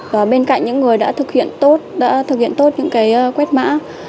và bên cạnh những người đã thực hiện tốt đã thực hiện tốt những cái quét mã